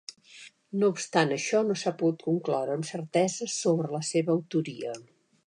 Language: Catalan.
No obstant això, no s'ha pogut concloure amb certesa sobre la seva autoria.